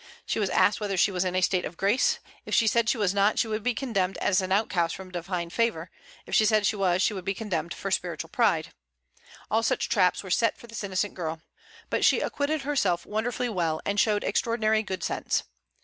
She was asked whether she was in a state of grace. If she said she was not, she would be condemned as an outcast from divine favor; if she said she was, she would be condemned for spiritual pride. All such traps were set for this innocent girl. But she acquitted herself wonderfully well, and showed extraordinary good sense.